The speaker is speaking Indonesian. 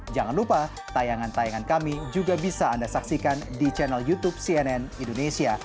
jangan lupa tayangan tayangan kami juga bisa anda saksikan di channel youtube cnn indonesia